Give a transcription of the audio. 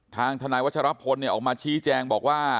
ทางทนายวัชรพลออกมาชี้แจงบอกว่า